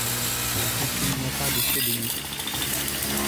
Et s’il n’y a pas de Sélénites!